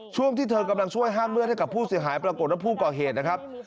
ช่วงที่เธอกำลังช่วยห้ามเลือดให้กับผู้เสียหายปรากฏว่าผู้ก่อเหตุนะครับ